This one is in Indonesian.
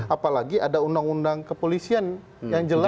apalagi ada undang undang kepolisian yang jelas